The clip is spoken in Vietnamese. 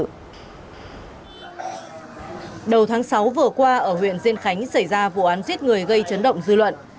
đầu tháng sáu vừa qua ở huyện diên khánh xảy ra vụ án giết người gây chấn động dư luận